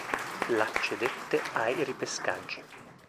L' accedette ai ripescaggi.